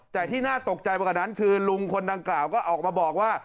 แต่ที่น่าตกใจไปกว่านั้นคือลุงคนดังกล่าวก็ออกมาบอกว่า